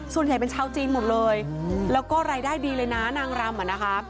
ส่วนใหญ่เป็นชาวจีนหมดเลยแล้วก็รายได้ดีเลยนะนางรำอ่ะนะคะ